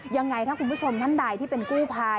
ยังไงถ้าคุณผู้ชมท่านใดที่เป็นกู้ภัย